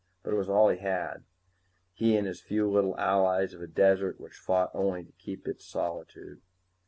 But it was all he had, he and his few little allies of a desert which fought only to keep its solitude.